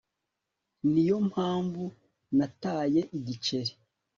Ni yo mpamvu nataye igiceri